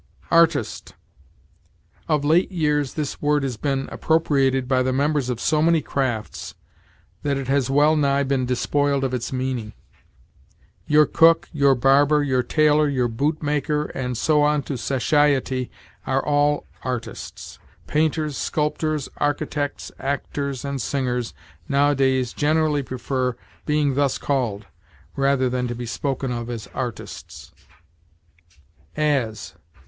ARTIST. Of late years this word has been appropriated by the members of so many crafts, that it has well nigh been despoiled of its meaning. Your cook, your barber, your tailor, your boot maker, and so on to satiety, are all artists. Painters, sculptors, architects, actors, and singers, nowadays, generally prefer being thus called, rather than to be spoken of as artists. AS.